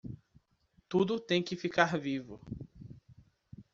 Tudo tem que ficar vivo